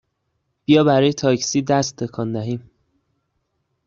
بیا برای تاکسی دست تکان دهیم!